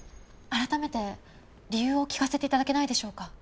改めて理由を聞かせて頂けないでしょうか？